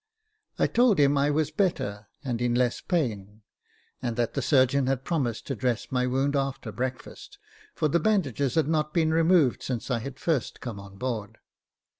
I told him I was better and in less pain, and that the surgeon had promised to dress my wound after breakfast, for the bandages had not been removed since I had first come on board.